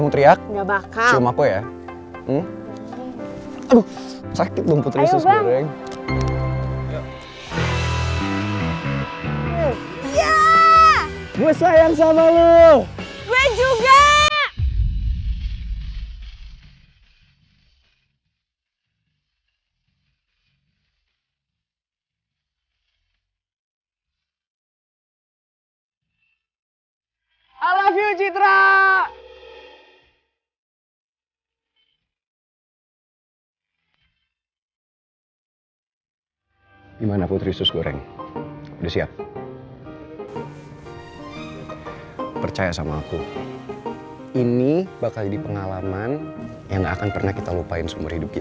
tapi aku janjap gak akan teriak teriak